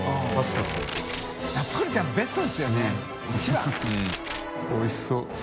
貳屐おいしそう。